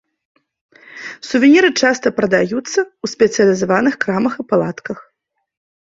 Сувеніры часта прадаюцца ў спецыялізаваных крамах і палатках.